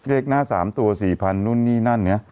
เลขหน้า๓ตัว๔๐๐นู่นนี่นั่นเนี่ย